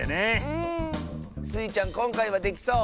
うん。スイちゃんこんかいはできそう？